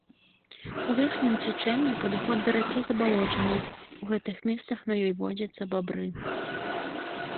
У верхнім цячэнні падыход да ракі забалочаны, у гэтых месцах на ёй водзяцца бабры.